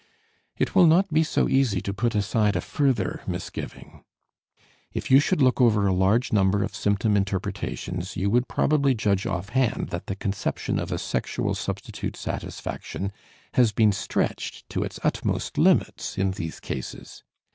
It will not be so easy to put aside a further misgiving. If you should look over a large number of symptom interpretations, you would probably judge offhand that the conception of a sexual substitute satisfaction has been stretched to its utmost limits in these cases.